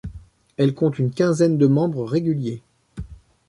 Elle compte une quinzaine de membres réguliers.